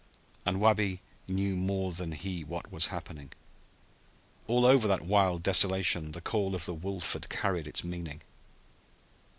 And Wabi knew more than he what was happening. All over that wild desolation the call of the wolf had carried its meaning.